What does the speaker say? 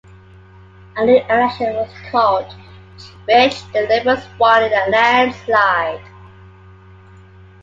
A new election was called, which the Liberals won in a landslide.